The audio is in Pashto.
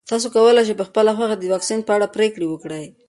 تاسو کولی شئ په خپله خوښه د واکسین په اړه پرېکړه وکړئ.